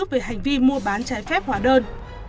về hành vi mua bán trái phép hỏa đơn